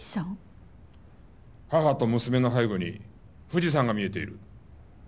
母と娘の背後に富士山が見えている。